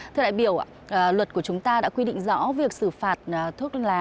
thưa đại biểu luật của chúng ta đã quy định rõ việc xử phạt thuốc lá